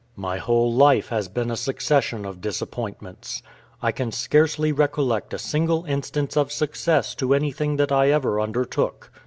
My whole life has been a succession of disappointments. I can scarcely recollect a single instance of success to anything that I ever undertook.